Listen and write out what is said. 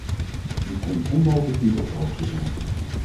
U kon onmogelijk niet op de hoogte zijn!